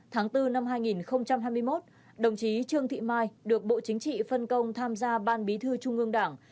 tháng bốn năm hai nghìn hai mươi một đồng chí trương thị mai được bộ chính trị phân công tham gia ban bí thư trung ương đảng